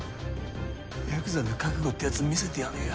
ヤクザの覚悟ってやつ見せてやるよ。